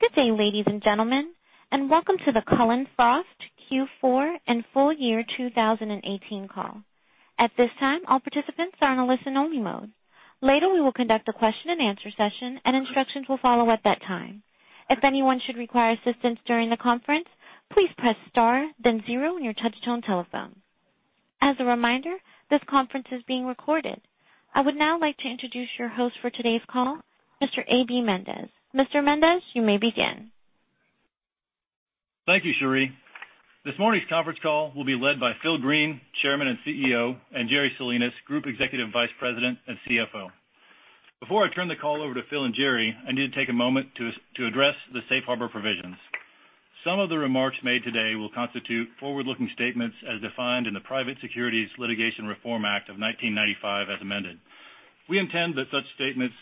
Good day, ladies and gentlemen, and welcome to the Cullen/Frost Q4 and full year 2018 call. At this time, all participants are in a listen-only mode. Later, we will conduct a question and answer session, and instructions will follow at that time. If anyone should require assistance during the conference, please press star then zero on your touch-tone telephone. As a reminder, this conference is being recorded. I would now like to introduce your host for today's call, Mr. A.B. Mendez. Mr. Mendez, you may begin. Thank you, Cherie. This morning's conference call will be led by Phil Green, Chairman and CEO, and Jerry Salinas, Group Executive Vice President and CFO. Before I turn the call over to Phil and Jerry, I need to take a moment to address the safe harbor provisions. Some of the remarks made today will constitute forward-looking statements as defined in the Private Securities Litigation Reform Act of 1995 as amended. We intend that such statements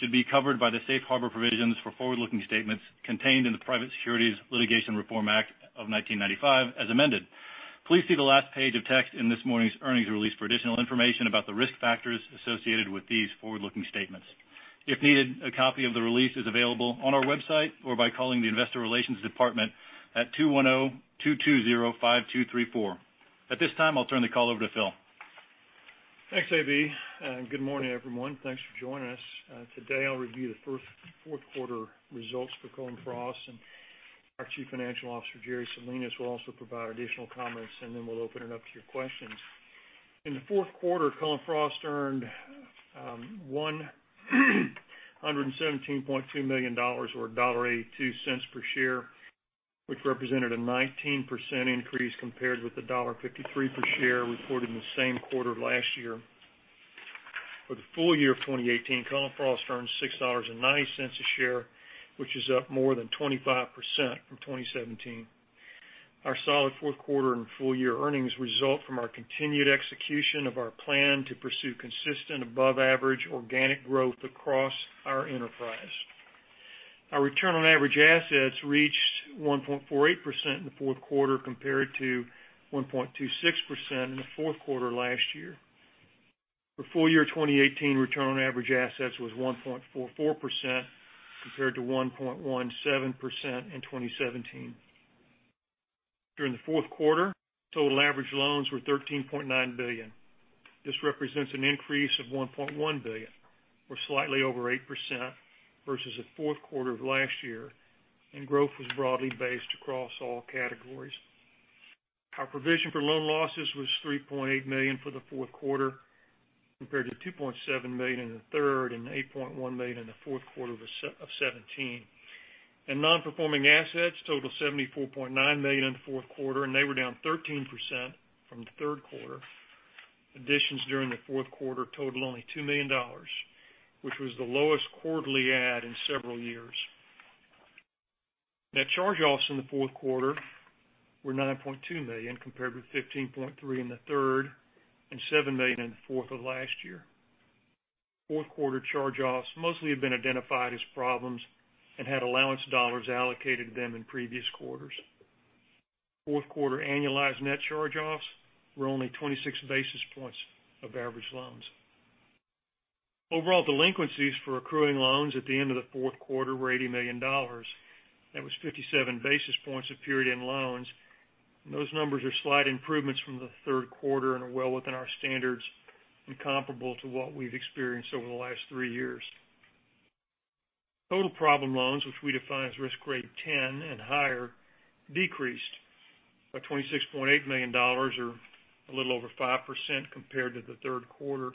should be covered by the safe harbor provisions for forward-looking statements contained in the Private Securities Litigation Reform Act of 1995 as amended. Please see the last page of text in this morning's earnings release for additional information about the risk factors associated with these forward-looking statements. If needed, a copy of the release is available on our website or by calling the investor relations department at 210-220-5234. At this time, I'll turn the call over to Phil. Thanks, A.B., and good morning, everyone. Thanks for joining us. Today, I'll review the fourth quarter results for Cullen/Frost, and our Chief Financial Officer, Jerry Salinas, will also provide additional comments, and then we'll open it up to your questions. In the fourth quarter, Cullen/Frost earned $117.2 million, or $1.82 per share, which represented a 19% increase compared with the $1.53 per share reported in the same quarter last year. For the full year of 2018, Cullen/Frost earned $6.90 a share, which is up more than 25% from 2017. Our solid fourth quarter and full year earnings result from our continued execution of our plan to pursue consistent above-average organic growth across our enterprise. Our return on average assets reached 1.48% in the fourth quarter compared to 1.26% in the fourth quarter last year. For full year 2018, return on average assets was 1.44% compared to 1.17% in 2017. During the fourth quarter, total average loans were $13.9 billion. This represents an increase of $1.1 billion, or slightly over 8%, versus the fourth quarter of last year. Growth was broadly based across all categories. Our provision for loan losses was $3.8 million for the fourth quarter compared to $2.7 million in the third and $8.1 million in the fourth quarter of 2017. Non-performing assets totaled $74.9 million in the fourth quarter. They were down 13% from the third quarter. Additions during the fourth quarter totaled only $2 million, which was the lowest quarterly add in several years. Net charge-offs in the fourth quarter were $9.2 million compared with $15.3 million in the third and $7 million in the fourth of last year. Fourth quarter charge-offs mostly have been identified as problems and had allowance dollars allocated to them in previous quarters. Fourth quarter annualized net charge-offs were only 26 basis points of average loans. Overall delinquencies for accruing loans at the end of the fourth quarter were $80 million. That was 57 basis points of period-end loans. Those numbers are slight improvements from the third quarter and are well within our standards and comparable to what we've experienced over the last three years. Total problem loans, which we define as risk grade 10 and higher, decreased by $26.8 million, or a little over 5% compared to the third quarter.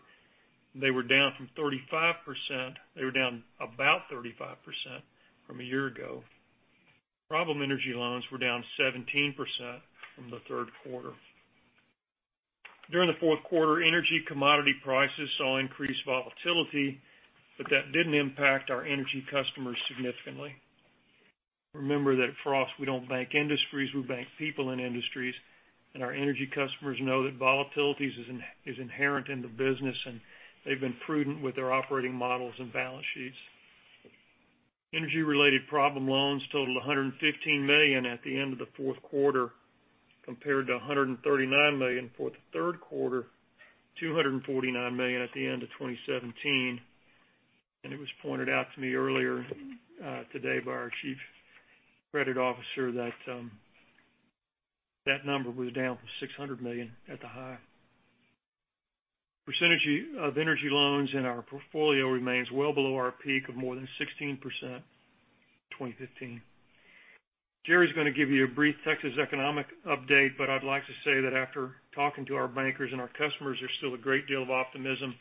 They were down about 35% from a year ago. Problem energy loans were down 17% from the third quarter. During the fourth quarter, energy commodity prices saw increased volatility. That didn't impact our energy customers significantly. Remember that at Frost, we don't bank industries, we bank people in industries. Our energy customers know that volatility is inherent in the business. They've been prudent with their operating models and balance sheets. Energy-related problem loans totaled $115 million at the end of the fourth quarter compared to $139 million for the third quarter, $249 million at the end of 2017. It was pointed out to me earlier today by our chief credit officer that that number was down from $600 million at the high. Percentage of energy loans in our portfolio remains well below our peak of more than 16% in 2015. Jerry's going to give you a brief Texas economic update. I'd like to say that after talking to our bankers and our customers, there's still a great deal of optimism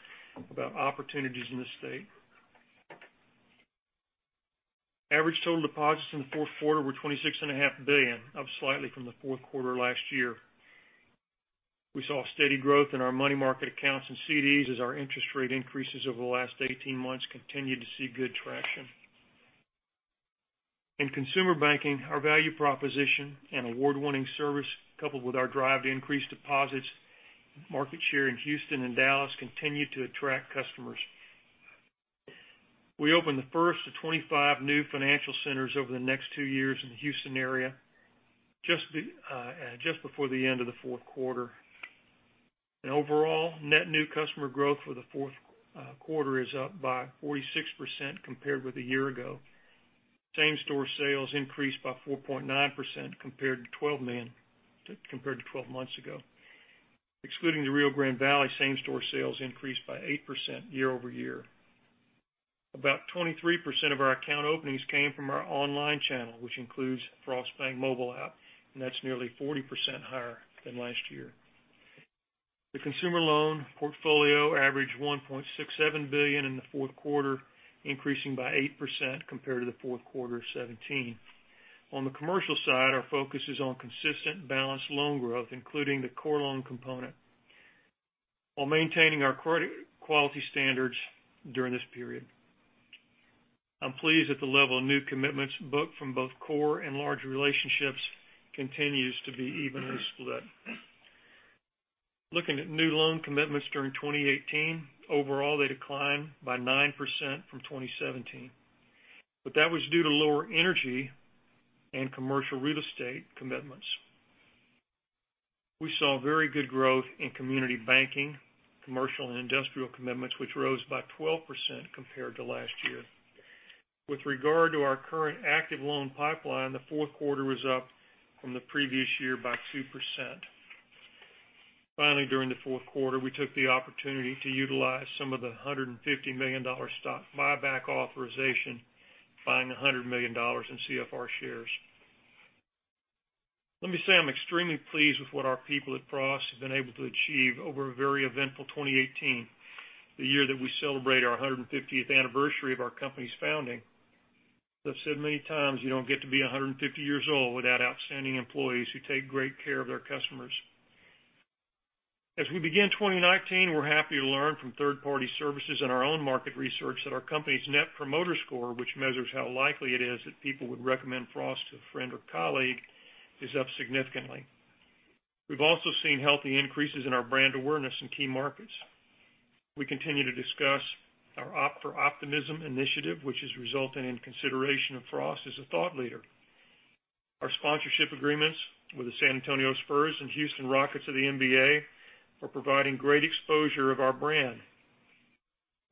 about opportunities in the state. Average total deposits in the fourth quarter were $26.5 billion, up slightly from the fourth quarter last year. We saw steady growth in our money market accounts and CDs as our interest rate increases over the last 18 months continued to see good traction. In consumer banking, our value proposition and award-winning service, coupled with our drive to increase deposits, market share in Houston and Dallas continued to attract customers. We opened the first of 25 new financial centers over the next two years in the Houston area just before the end of the fourth quarter. Overall, net new customer growth for the fourth quarter is up by 46% compared with a year ago. Same-store sales increased by 4.9% compared to 12 months ago. Excluding the Rio Grande Valley, same-store sales increased by 8% year over year. About 23% of our account openings came from our online channel, which includes Frost Bank mobile app, and that's nearly 40% higher than last year. The consumer loan portfolio averaged $1.67 billion in the fourth quarter, increasing by 8% compared to the fourth quarter of 2017. On the commercial side, our focus is on consistent balanced loan growth, including the core loan component, while maintaining our credit quality standards during this period. I'm pleased that the level of new commitments booked from both core and large relationships continues to be evenly split. Looking at new loan commitments during 2018, overall, they declined by 9% from 2017, but that was due to lower energy and commercial real estate commitments. We saw very good growth in community banking, commercial and industrial commitments, which rose by 12% compared to last year. With regard to our current active loan pipeline, the fourth quarter was up from the previous year by 2%. Finally, during the fourth quarter, we took the opportunity to utilize some of the $150 million stock buyback authorization, buying $100 million in CFR shares. Let me say, I'm extremely pleased with what our people at Frost have been able to achieve over a very eventful 2018, the year that we celebrate our 150th anniversary of our company's founding. As I've said many times, you don't get to be 150 years old without outstanding employees who take great care of their customers. As we begin 2019, we're happy to learn from third-party services and our own market research that our company's net promoter score, which measures how likely it is that people would recommend Frost to a friend or colleague, is up significantly. We've also seen healthy increases in our brand awareness in key markets. We continue to discuss our Opt for Optimism initiative, which is resulting in consideration of Frost as a thought leader. Our sponsorship agreements with the San Antonio Spurs and Houston Rockets of the NBA are providing great exposure of our brand.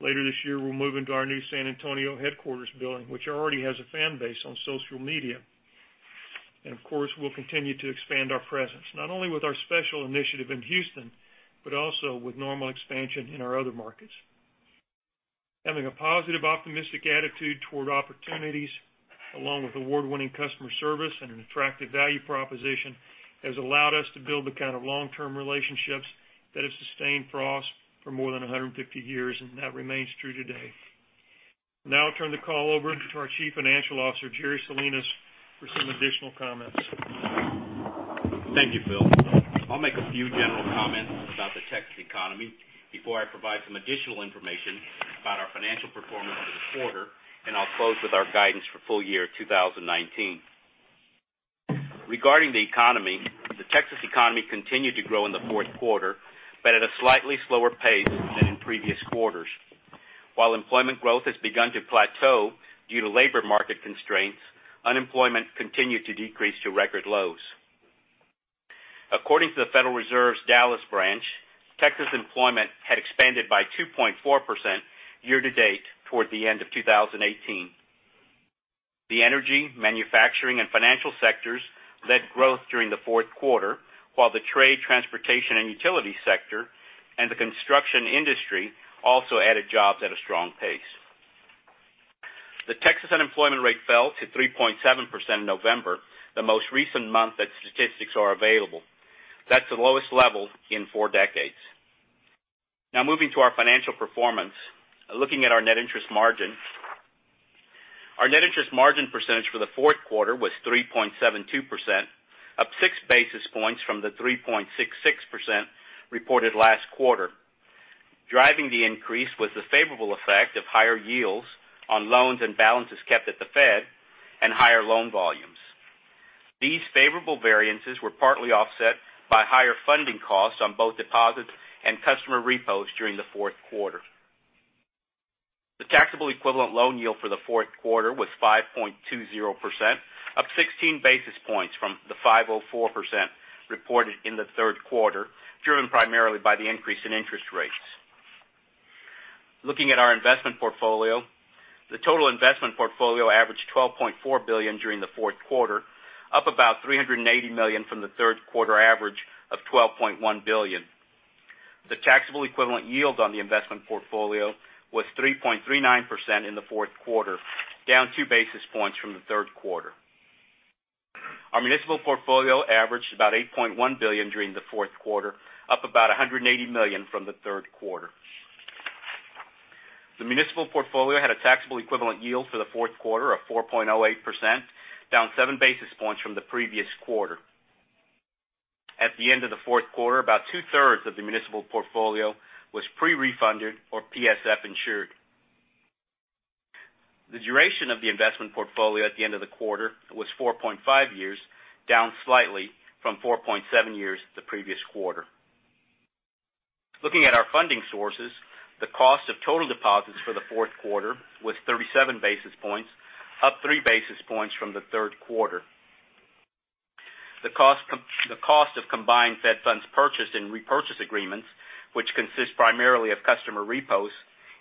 Later this year, we'll move into our new San Antonio headquarters building, which already has a fan base on social media. Of course, we'll continue to expand our presence, not only with our special initiative in Houston, but also with normal expansion in our other markets. Having a positive, optimistic attitude toward opportunities, along with award-winning customer service and an attractive value proposition, has allowed us to build the kind of long-term relationships that have sustained Frost for more than 150 years, and that remains true today. Now I'll turn the call over to our Chief Financial Officer, Jerry Salinas, for some additional comments. Thank you, Phil. I'll make a few general comments about the Texas economy before I provide some additional information about our financial performance for the quarter, and I'll close with our guidance for full year 2019. Regarding the economy, the Texas economy continued to grow in the fourth quarter, but at a slightly slower pace than in previous quarters. While employment growth has begun to plateau due to labor market constraints, unemployment continued to decrease to record lows. According to the Federal Reserve's Dallas branch, Texas employment had expanded by 2.4% year to date toward the end of 2018. The energy, manufacturing, and financial sectors led growth during the fourth quarter, while the trade, transportation, and utility sector and the construction industry also added jobs at a strong pace. The Texas unemployment rate fell to 3.7% in November, the most recent month that statistics are available. That's the lowest level in four decades. Moving to our financial performance. Looking at our net interest margin. Our net interest margin percentage for the fourth quarter was 3.72%, up six basis points from the 3.66% reported last quarter. Driving the increase was the favorable effect of higher yields on loans and balances kept at the Fed and higher loan volumes. These favorable variances were partly offset by higher funding costs on both deposits and customer repos during the fourth quarter. The taxable equivalent loan yield for the fourth quarter was 5.20%, up 16 basis points from the 5.04% reported in the third quarter, driven primarily by the increase in interest rates. Looking at our investment portfolio. The total investment portfolio averaged $12.4 billion during the fourth quarter, up about $380 million from the third quarter average of $12.1 billion. The taxable equivalent yield on the investment portfolio was 3.39% in the fourth quarter, down two basis points from the third quarter. Our municipal portfolio averaged about $8.1 billion during the fourth quarter, up about $180 million from the third quarter. The municipal portfolio had a taxable equivalent yield for the fourth quarter of 4.08%, down seven basis points from the previous quarter. At the end of the fourth quarter, about two-thirds of the municipal portfolio was pre-refunded or PSF insured. The duration of the investment portfolio at the end of the quarter was 4.5 years, down slightly from 4.7 years the previous quarter. Looking at our funding sources. The cost of total deposits for the fourth quarter was 37 basis points, up three basis points from the third quarter. The cost of combined Fed funds purchased and repurchase agreements, which consist primarily of customer repos,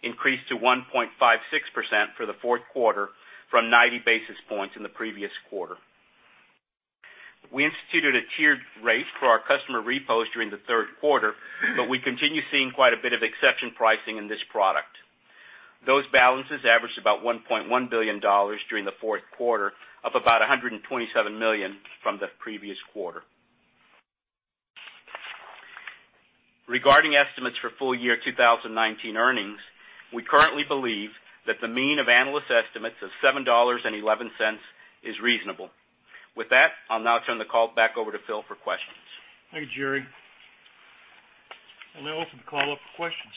increased to 1.56% for the fourth quarter from 90 basis points in the previous quarter. We instituted a tiered rate for our customer repos during the third quarter, we continue seeing quite a bit of exception pricing in this product. Those balances averaged about $1.1 billion during the fourth quarter, up about $127 million from the previous quarter. Regarding estimates for full year 2019 earnings, we currently believe that the mean of analyst estimates of $7.11 is reasonable. With that, I'll now turn the call back over to Phil for questions. Thank you, Jerry. I'll now open the call up for questions.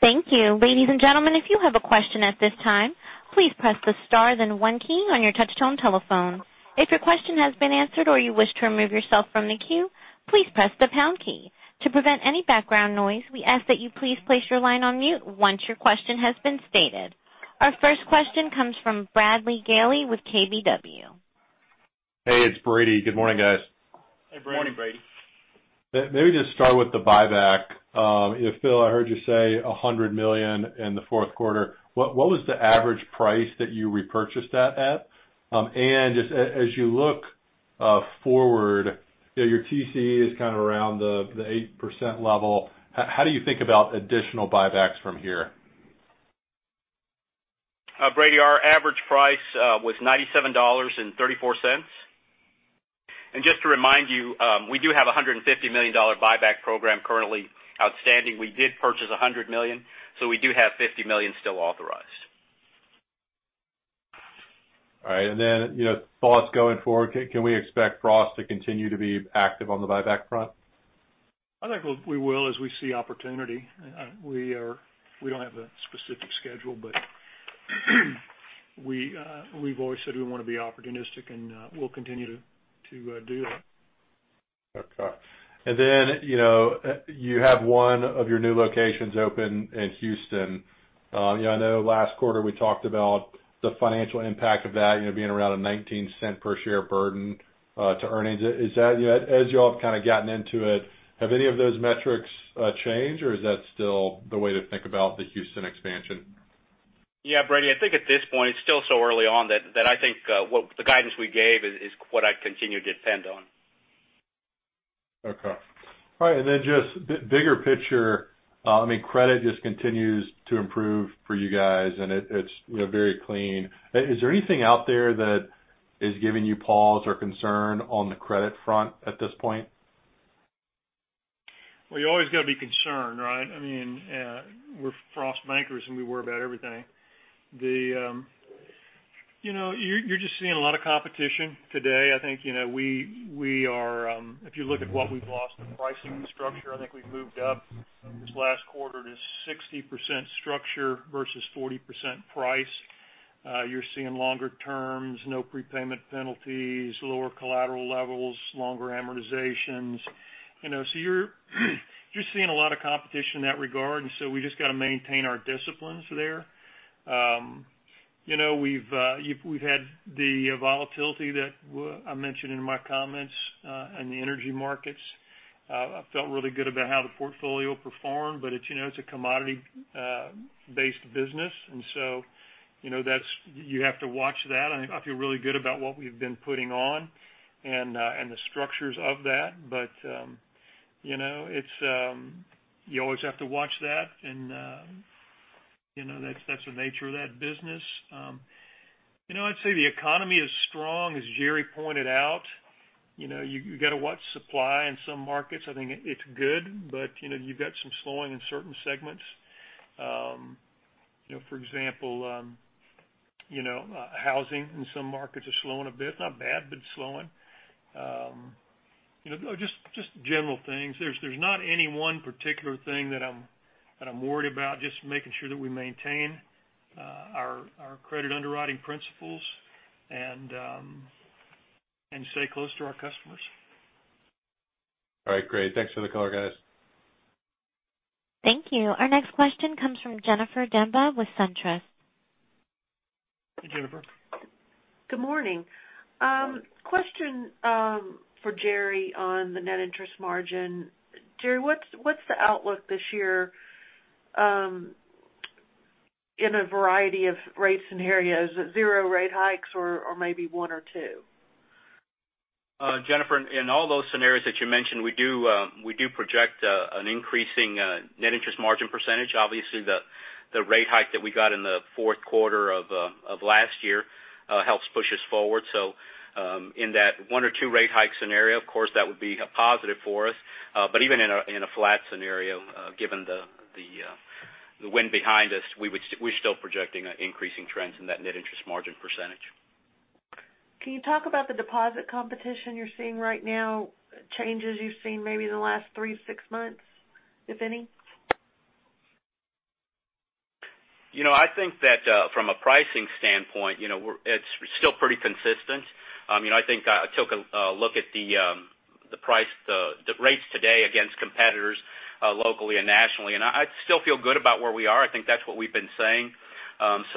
Thank you. Ladies and gentlemen, if you have a question at this time, please press the star then one key on your touchtone telephone. If your question has been answered or you wish to remove yourself from the queue, please press the pound key. To prevent any background noise, we ask that you please place your line on mute once your question has been stated. Our first question comes from Brady Gailey with KBW. Hey, it's Brady. Good morning, guys. Hey, Brady. Morning, Brady. Maybe just start with the buyback. Phil, I heard you say $100 million in the fourth quarter. What was the average price that you repurchased that at? Just as you look forward, your TCE is kind of around the 8% level. How do you think about additional buybacks from here? Brady, our average price was $97.34. Just to remind you, we do have a $150 million buyback program currently outstanding. We did purchase $100 million, we do have $50 million still authorized. All right. Then thoughts going forward, can we expect Frost to continue to be active on the buyback front? I think we will as we see opportunity. We don't have a specific schedule, but we've always said we want to be opportunistic and we'll continue to do that. Okay. You have one of your new locations open in Houston. I know last quarter we talked about the financial impact of that being around a $0.19 per share burden to earnings. As you all have kind of gotten into it, have any of those metrics changed or is that still the way to think about the Houston expansion? Yeah, Brady, I think at this point it's still so early on that I think the guidance we gave is what I'd continue to depend on. Okay. All right. Just bigger picture, credit just continues to improve for you guys and it's very clean. Is there anything out there that is giving you pause or concern on the credit front at this point? Well, you've always got to be concerned, right? We're Frost bankers and we worry about everything. You're just seeing a lot of competition today. If you look at what we've lost in pricing structure, I think we've moved up this last quarter to 60% structure versus 40% price. You're seeing longer terms, no prepayment penalties, lower collateral levels, longer amortizations. You're seeing a lot of competition in that regard, we just got to maintain our disciplines there. We've had the volatility that I mentioned in my comments in the energy markets. I felt really good about how the portfolio performed, it's a commodity-based business, you have to watch that. I feel really good about what we've been putting on and the structures of that. You always have to watch that's the nature of that business. I'd say the economy is strong, as Jerry pointed out. You've got to watch supply in some markets. I think it's good, you've got some slowing in certain segments. For example, housing in some markets is slowing a bit. Not bad, slowing. Just general things. There's not any one particular thing that I'm worried about, just making sure that we maintain our credit underwriting principles and stay close to our customers. All right, great. Thanks for the color, guys. Thank you. Our next question comes from Jennifer Demba with SunTrust. Hey, Jennifer. Good morning. Question for Jerry on the net interest margin. Jerry, what's the outlook this year in a variety of rate scenarios, zero rate hikes or maybe one or two? Jennifer, in all those scenarios that you mentioned, we do project an increasing net interest margin percentage. Obviously, the rate hike that we got in the fourth quarter of last year helps push us forward. In that one or two rate hike scenario, of course that would be a positive for us. Even in a flat scenario, given the wind behind us, we're still projecting an increasing trend in that net interest margin percentage. Can you talk about the deposit competition you're seeing right now, changes you've seen maybe in the last three to six months, if any? I think that from a pricing standpoint, it's still pretty consistent. I took a look at the rates today against competitors locally and nationally. I still feel good about where we are. I think that's what we've been saying.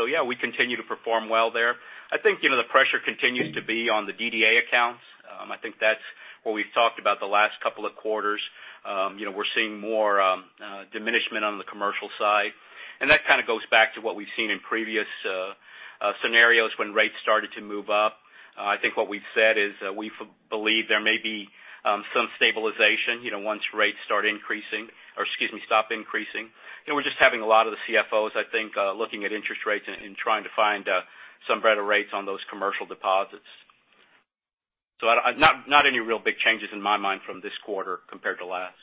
Yeah, we continue to perform well there. I think the pressure continues to be on the DDA accounts. I think that's what we've talked about the last couple of quarters. We're seeing more diminishment on the commercial side, and that kind of goes back to what we've seen in previous scenarios when rates started to move up. I think what we've said is that we believe there may be some stabilization once rates stop increasing. We're just having a lot of the CFOs, I think, looking at interest rates and trying to find some better rates on those commercial deposits. Not any real big changes in my mind from this quarter compared to last.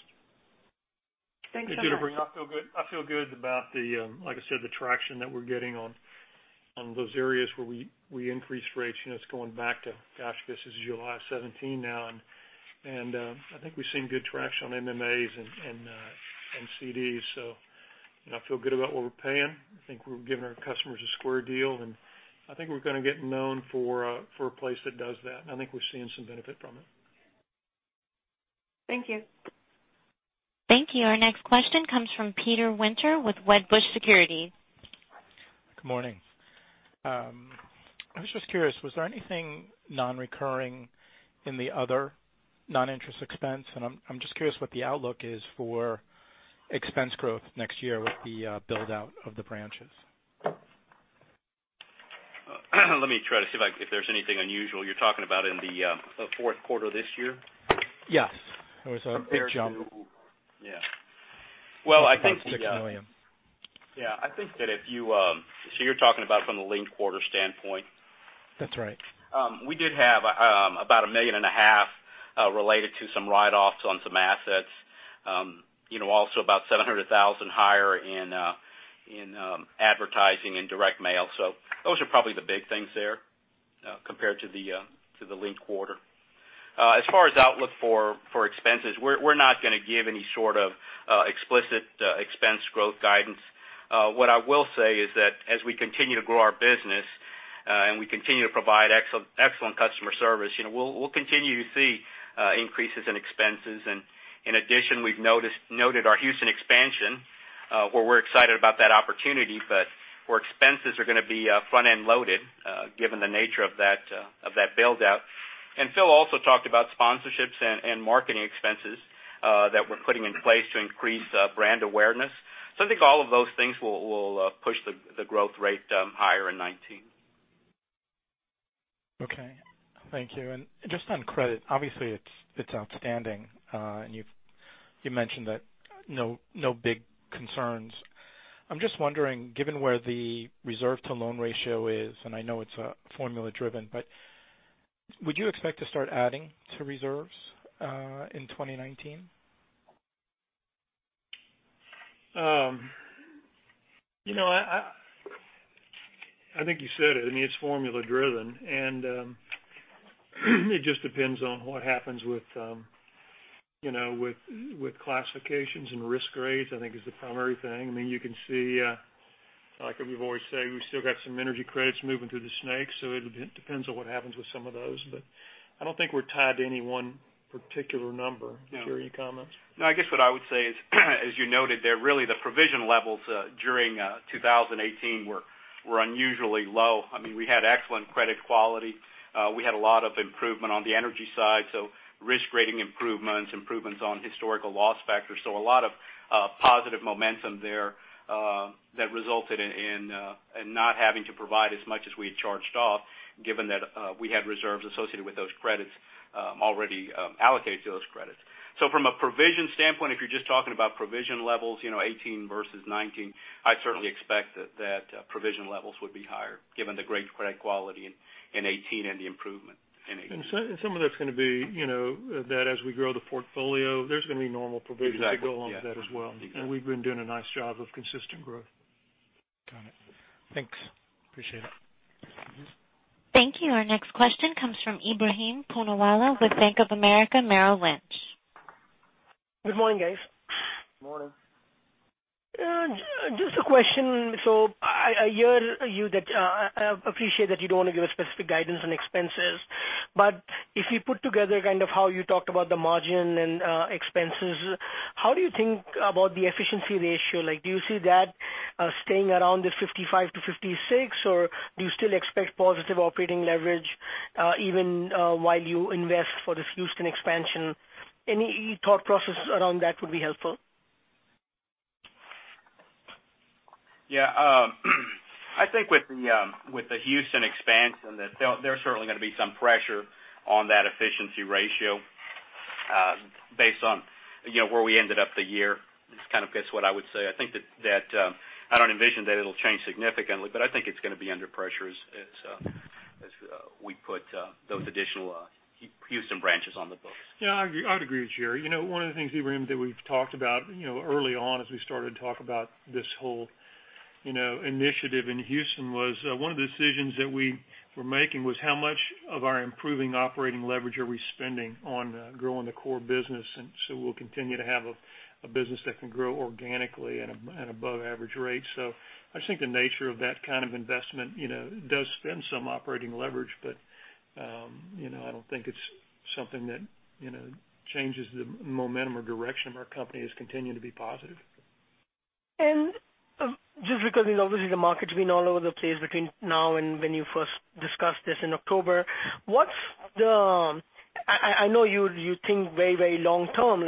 Thanks so much. I feel good about the, like I said, the traction that we're getting on those areas where we increase rates, it's going back to, gosh, this is July of 2017 now. I think we've seen good traction on MMAs and CDs. I feel good about what we're paying. I think we're giving our customers a square deal, and I think we're going to get known for a place that does that, and I think we've seen some benefit from it. Thank you. Thank you. Our next question comes from Peter Winter with Wedbush Securities. Good morning. I was just curious, was there anything non-recurring in the other non-interest expense? I'm just curious what the outlook is for expense growth next year with the build-out of the branches. Let me try to see if there's anything unusual. You're talking about in the fourth quarter this year? Yes. There was a big jump. Compared to-- yeah. Well, I think. About $6 million. Yeah, you're talking about from the linked quarter standpoint? That's right. We did have about a million and a half related to some write-offs on some assets. Also about $700,000 higher in advertising and direct mail. Those are probably the big things there compared to the linked quarter. As far as outlook for expenses, we're not going to give any sort of explicit expense growth guidance. What I will say is that as we continue to grow our business and we continue to provide excellent customer service, we'll continue to see increases in expenses. In addition, we've noted our Houston expansion where we're excited about that opportunity, but where expenses are going to be front-end loaded given the nature of that build-out. Phil also talked about sponsorships and marketing expenses that we're putting in place to increase brand awareness. I think all of those things will push the growth rate higher in 2019. Okay. Thank you. Just on credit, obviously, it's outstanding. You've mentioned that no big concerns. I'm just wondering, given where the reserve to loan ratio is, and I know it's formula driven, but would you expect to start adding to reserves in 2019? I think you said it. I mean, it's formula driven, it just depends on what happens with classifications and risk grades, I think is the primary thing. You can see, like we've always said, we've still got some energy credits moving through the snakes, it depends on what happens with some of those. I don't think we're tied to any one particular number. Jerry, any comments? No, I guess what I would say is, as you noted there, really the provision levels during 2018 were unusually low. We had excellent credit quality. We had a lot of improvement on the energy side, so risk rating improvements on historical loss factors. A lot of positive momentum there that resulted in not having to provide as much as we had charged off, given that we had reserves associated with those credits already allocated to those credits. From a provision standpoint, if you're just talking about provision levels 2018 versus 2019, I'd certainly expect that provision levels would be higher given the great credit quality in 2018 and the improvement in 2018. Some of that's going to be that as we grow the portfolio, there's going to be normal provisions- Exactly. Yeah that go along with that as well. Exactly. We've been doing a nice job of consistent growth. Got it. Thanks. Appreciate it. Thank you. Our next question comes from Ebrahim Poonawala with Bank of America Merrill Lynch. Good morning, guys. Morning. I appreciate that you don't want to give a specific guidance on expenses, but if you put together kind of how you talked about the margin and expenses, how do you think about the efficiency ratio? Do you see that staying around the 55%-56%, or do you still expect positive operating leverage even while you invest for this Houston expansion? Any thought process around that would be helpful. Yeah. I think with the Houston expansion, there's certainly going to be some pressure on that efficiency ratio based on where we ended up the year. Just kind of guess what I would say. I don't envision that it'll change significantly, but I think it's going to be under pressure as we put those additional Houston branches on the books. Yeah, I'd agree with Jerry. One of the things, Ebrahim, that we've talked about early on as we started to talk about this whole initiative in Houston was one of the decisions that we were making was how much of our improving operating leverage are we spending on growing the core business. We'll continue to have a business that can grow organically at above average rates. I just think the nature of that kind of investment does spend some operating leverage, but I don't think it's something that changes the momentum or direction of our company is continuing to be positive. Just because obviously the market's been all over the place between now and when you first discussed this in October. I know you think very long term,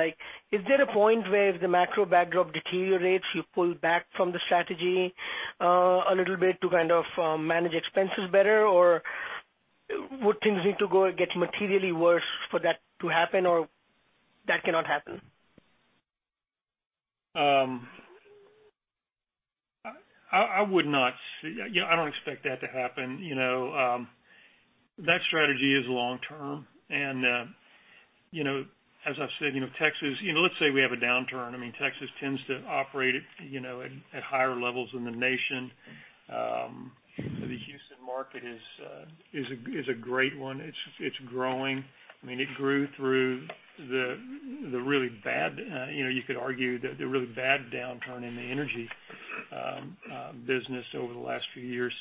is there a point where if the macro backdrop deteriorates, you pull back from the strategy a little bit to kind of manage expenses better? Would things need to get materially worse for that to happen, or that cannot happen? I don't expect that to happen. That strategy is long-term, and as I've said, let's say we have a downturn. Texas tends to operate at higher levels than the nation. The Houston market is a great one. It's growing. It grew through the really bad, you could argue, the really bad downturn in the energy business over the last few years.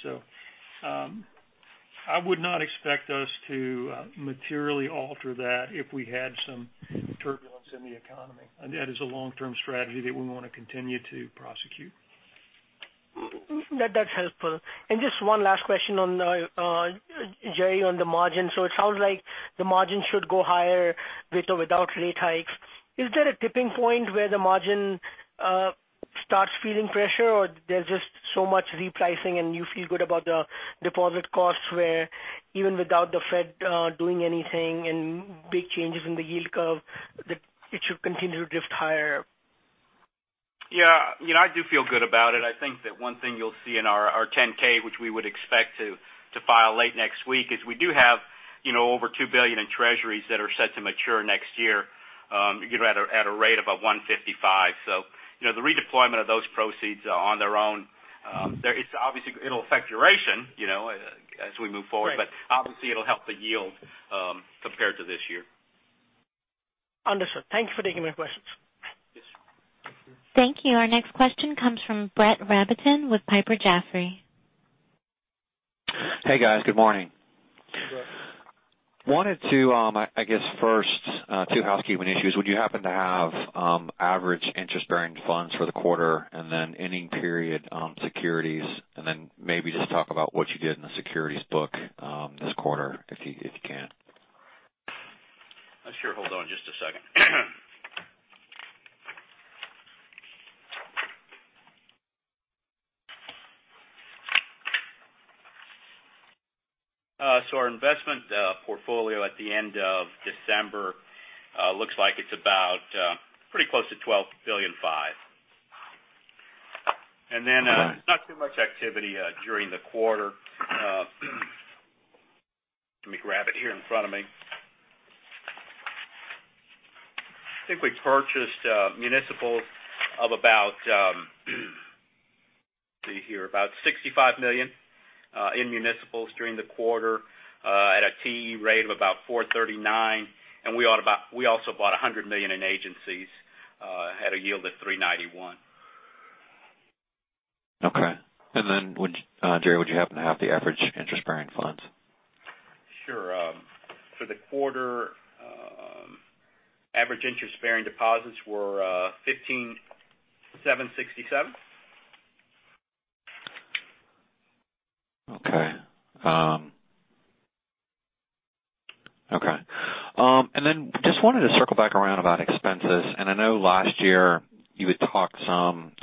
I would not expect us to materially alter that if we had some turbulence in the economy. That is a long-term strategy that we want to continue to prosecute. That's helpful. Just one last question on, Jerry, on the margin. It sounds like the margin should go higher with or without rate hikes. Is there a tipping point where the margin starts feeling pressure, or there's just so much repricing and you feel good about the deposit costs where even without the Fed doing anything and big changes in the yield curve, that it should continue to drift higher? Yeah. I do feel good about it. I think that one thing you'll see in our 10-K, which we would expect to file late next week, is we do have over $2 billion in treasuries that are set to mature next year at a rate of a 155. The redeployment of those proceeds on their own, obviously it'll affect duration as we move forward. Right. Obviously it'll help the yield compared to this year. Understood. Thank you for taking my questions. Yes. Thank you. Our next question comes from Brett Rabatin with Piper Jaffray. Hey, guys. Good morning. Good. I guess first, two housekeeping issues. Would you happen to have average interest-bearing funds for the quarter and then ending period securities, and then maybe just talk about what you did in the securities book this quarter, if you can. Hold on just a second. Our investment portfolio at the end of December looks like it's about pretty close to $12.5 billion. All right. not too much activity during the quarter. Let me grab it here in front of me. I think we purchased municipals of, let's see here, about $65 million in municipals during the quarter at a TE rate of about 439, and we also bought $100 million in agencies at a yield of 391. Okay. Jerry, would you happen to have the average interest-bearing funds? Sure. For the quarter, average interest-bearing deposits were $15,767. Okay. Just wanted to circle back around about expenses. I know last year you had talked some,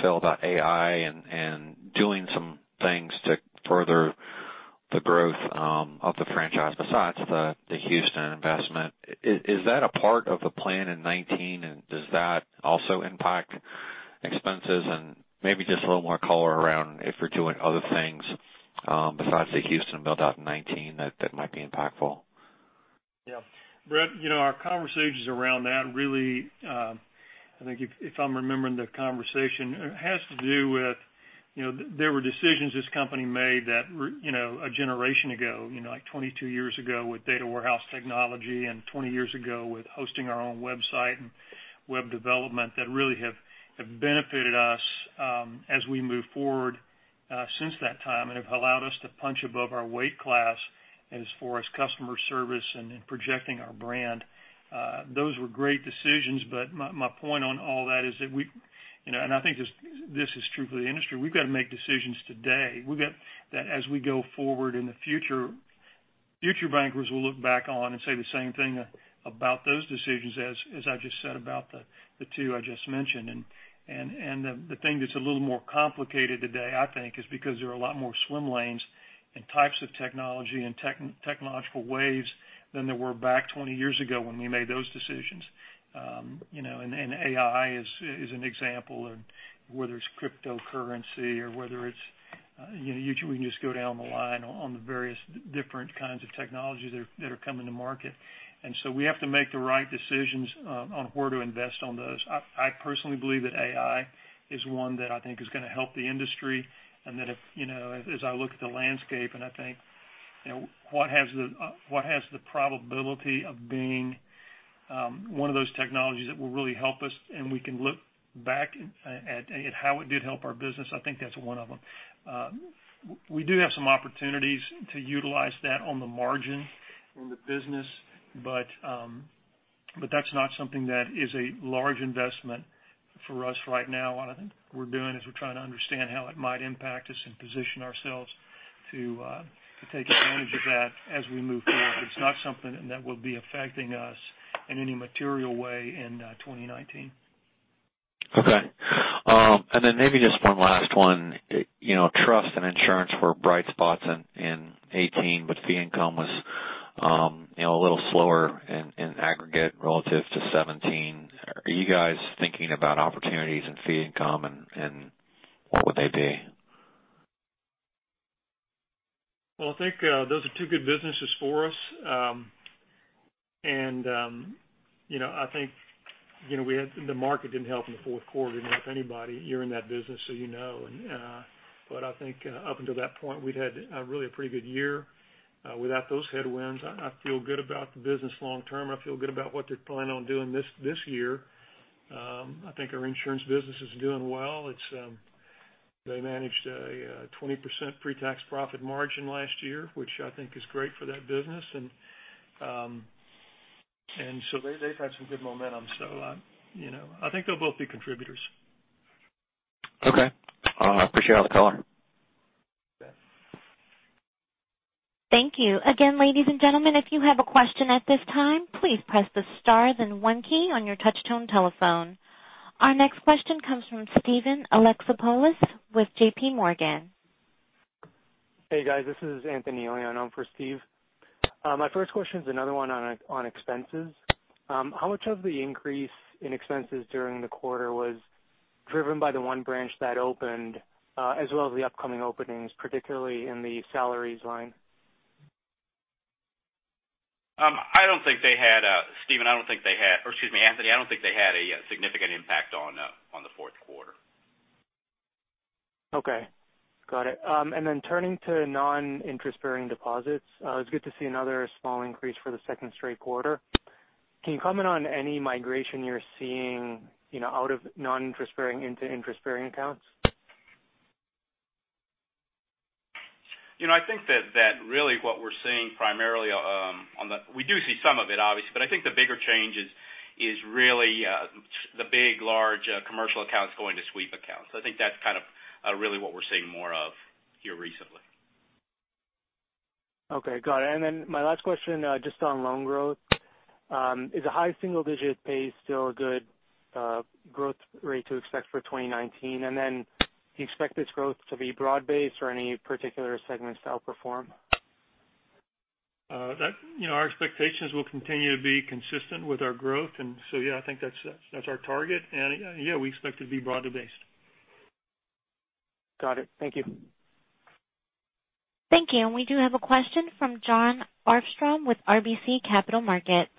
Phil, about AI and doing some things to further the growth of the franchise besides the Houston investment. Is that a part of the plan in 2019, and does that also impact expenses? Maybe just a little more color around if you're doing other things besides the Houston build-out in 2019 that might be impactful. Yeah. Brett, our conversations around that really, I think if I'm remembering the conversation, it has to do with there were decisions this company made a generation ago, like 22 years ago with data warehouse technology and 20 years ago with hosting our own website and web development that really have benefited us as we move forward since that time and have allowed us to punch above our weight class as far as customer service and in projecting our brand. My point on all that is that we, and I think this is true for the industry, we've got to make decisions today that as we go forward in the future bankers will look back on and say the same thing about those decisions as I just said about the two I just mentioned. The thing that's a little more complicated today, I think, is because there are a lot more swim lanes and types of technology and technological waves than there were back 20 years ago when we made those decisions. AI is an example of whether it's cryptocurrency or We can just go down the line on the various different kinds of technologies that are coming to market. We have to make the right decisions on where to invest on those. I personally believe that AI is one that I think is going to help the industry, and that as I look at the landscape and I think what has the probability of being one of those technologies that will really help us and we can look back at how it did help our business, I think that's one of them. We do have some opportunities to utilize that on the margin in the business. That's not something that is a large investment for us right now. What I think we're doing is we're trying to understand how it might impact us and position ourselves to take advantage of that as we move forward. It's not something that will be affecting us in any material way in 2019. Okay. Then maybe just one last one. Trust and insurance were bright spots in 2018. Fee income was a little slower in aggregate relative to 2017. Are you guys thinking about opportunities in fee income? What would they be? Well, I think those are two good businesses for us. I think the market didn't help in the fourth quarter, didn't help anybody. You're in that business, so you know. I think up until that point, we'd had a really pretty good year. Without those headwinds, I feel good about the business long term, and I feel good about what they plan on doing this year. I think our insurance business is doing well. They managed a 20% pre-tax profit margin last year, which I think is great for that business. They've had some good momentum. I think they'll both be contributors. Okay. I appreciate all the color. You bet. Thank you. Again, ladies and gentlemen, if you have a question at this time, please press the star then one key on your touch-tone telephone. Our next question comes from Steven Alexopoulos with JPMorgan. Hey, guys. This is Anthony on for Steve. My first question is another one on expenses. How much of the increase in expenses during the quarter was driven by the one branch that opened, as well as the upcoming openings, particularly in the salaries line? Anthony, I don't think they had a significant impact on the fourth quarter. Got it. Turning to non-interest-bearing deposits, it's good to see another small increase for the second straight quarter. Can you comment on any migration you're seeing out of non-interest-bearing into interest-bearing accounts? I think that really what we're seeing primarily, we do see some of it, obviously, I think the bigger change is really the big, large commercial accounts going to sweep accounts. I think that's kind of really what we're seeing more of here recently. Got it. My last question, just on loan growth. Is a high single-digit pace still a good growth rate to expect for 2019? Do you expect this growth to be broad-based or any particular segments to outperform? Our expectations will continue to be consistent with our growth. So yeah, I think that's our target. Yeah, we expect it to be broadly based. Got it. Thank you. Thank you. We do have a question from Jon Arfstrom with RBC Capital Markets.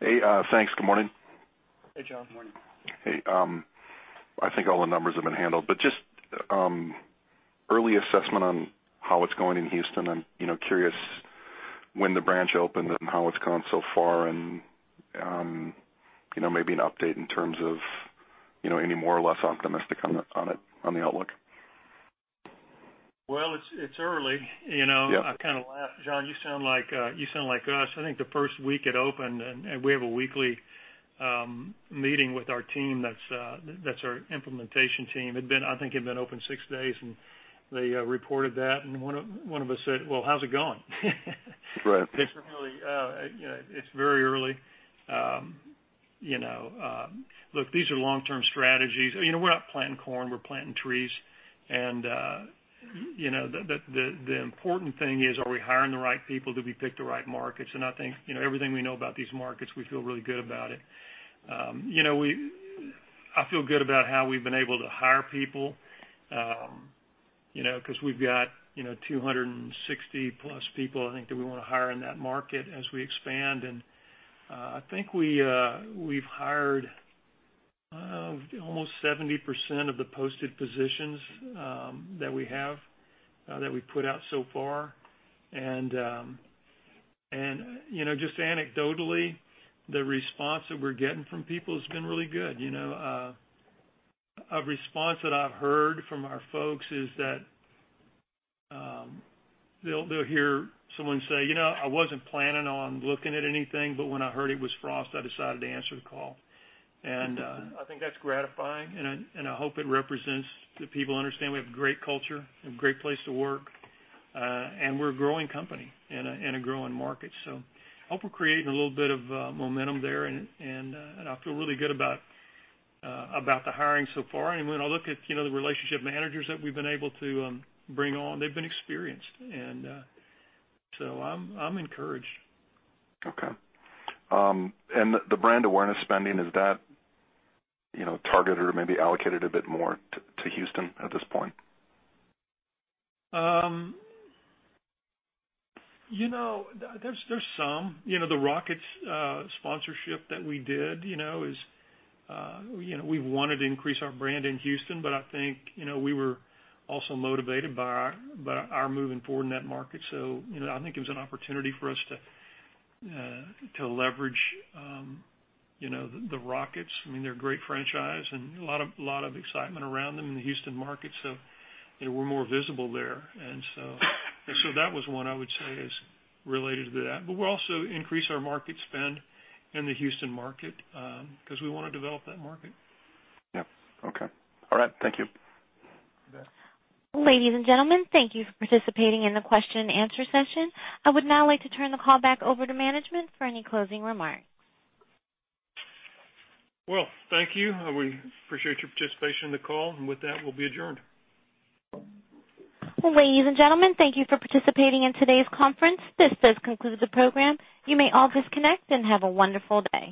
Hey, thanks. Good morning. Hey, Jon. Morning. Hey. I think all the numbers have been handled. Just early assessment on how it's going in Houston. I'm curious when the branch opened and how it's gone so far. Maybe an update in terms of any more or less optimistic on the outlook. Well, it's early. Yeah. I kind of laugh, Jon, you sound like us. I think the first week it opened. We have a weekly meeting with our team, that's our implementation team. It'd been, I think, open six days. They reported that. One of us said, "Well, how's it going? Right. It's really early. Look, these are long-term strategies. We're not planting corn, we're planting trees. The important thing is, are we hiring the right people? Did we pick the right markets? I think everything we know about these markets, we feel really good about it. I feel good about how we've been able to hire people, because we've got 260-plus people I think that we want to hire in that market as we expand. I think we've hired almost 70% of the posted positions that we have, that we've put out so far. Just anecdotally, the response that we're getting from people has been really good. A response that I've heard from our folks is that they'll hear someone say, "I wasn't planning on looking at anything, but when I heard it was Frost, I decided to answer the call." I think that's gratifying, and I hope it represents that people understand we have great culture and great place to work. We're a growing company in a growing market. I hope we're creating a little bit of momentum there and I feel really good about the hiring so far. When I look at the relationship managers that we've been able to bring on, they've been experienced. I'm encouraged. Okay. The brand awareness spending, is that targeted or maybe allocated a bit more to Houston at this point? There's some. The Rockets sponsorship that we did is we wanted to increase our brand in Houston, but I think we were also motivated by our moving forward in that market. I think it was an opportunity for us to leverage the Rockets. They're a great franchise and a lot of excitement around them in the Houston market, so we're more visible there. That was one I would say is related to that. We'll also increase our market spend in the Houston market, because we want to develop that market. Yeah. Okay. All right. Thank you. You bet. Ladies and gentlemen, thank you for participating in the question and answer session. I would now like to turn the call back over to management for any closing remarks. Well, thank you. We appreciate your participation in the call. With that, we'll be adjourned. Ladies and gentlemen, thank you for participating in today's conference. This does conclude the program. You may all disconnect, and have a wonderful day.